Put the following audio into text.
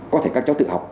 có thể các cháu tự học